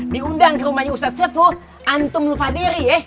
diundang ke rumahnya ustadz sefu antum lupa diri